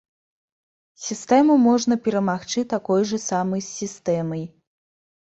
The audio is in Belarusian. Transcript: Сістэму можна перамагчы такой жа самай сістэмай.